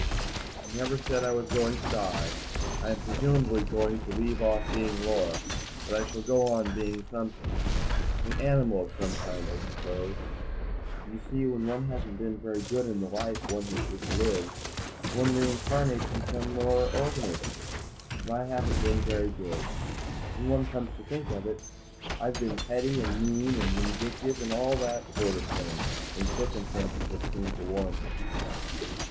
"I never said I was going to die. I am presumably going to leave off being Laura, but I shall go on being something. An animal of some kind, I suppose. You see, when one hasn't been very good in the life one has just lived, one reincarnates in some lower organism. And I haven't been very good, when one comes to think of it. I've been petty and mean and vindictive and all that sort of thing when circumstances have seemed to warrant it."